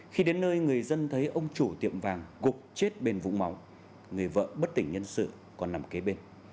khi đến nơi người dân thấy ông chủ tiệm vàng gục chết bên vùng máu người vợ bất tỉnh nhân sự còn nằm kế bên